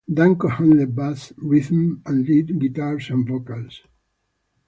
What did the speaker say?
Danko handled bass, rhythm and lead guitars and vocals.